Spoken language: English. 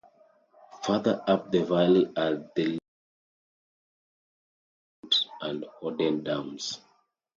Further up the valley are the Ladybower, Derwent and Howden dams.